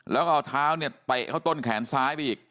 แล้วก็เอาเท้าเนี่ยเตะเข้าต้นแขนซ้ายไปอีก